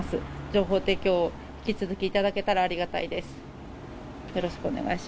情報提供を引き続き頂けたらありがたいです。